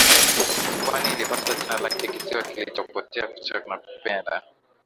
Pwani ilipata jina lake kisiwa kinachopotea cha Nakupenda